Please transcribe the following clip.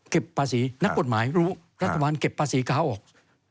ภาษีนักกฎหมายรู้รัฐบาลเก็บภาษีค้าออก